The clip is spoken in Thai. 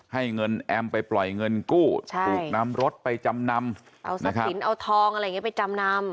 ให้เงินแอมไปปล่อยเงินกู้ใช่ถูกนำรถไปจำนำเอาทรัพย์สินเอาทองอะไรอย่างเงี้ไปจำนำ